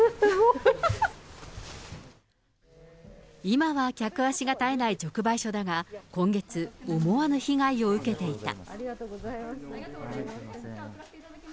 今は客足が絶えない直売所だが、今月、思わぬ被害を受けていた。